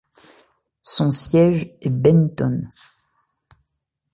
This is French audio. Son siège est Benton.